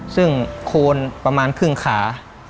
ซึ่งโคนประมาณครึ่งขา